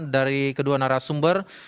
di kedua narasumber